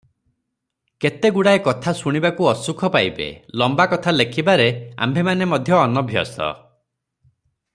କେତେଗୁଡ଼ାଏ କଥା ଶୁଣିବାକୁ ଅସୁଖ ପାଇବେ, ଲମ୍ବା କଥା ଲେଖିବାରେ ଆମ୍ଭେମାନେ ମଧ୍ୟ ଅନଭ୍ୟସ୍ତ ।